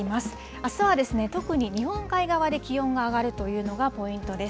あすは特に日本海側で気温が上がるというのがポイントです。